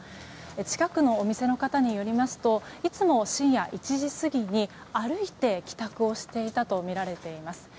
近くのお店の方によりますといつも深夜１時過ぎに歩いて帰宅をしていたとみられています。